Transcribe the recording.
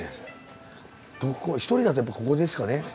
どこ一人だとやっぱここですかね。